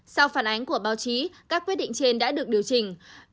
sau phản ánh của báo chí các quyết định trên đã được điều chỉnh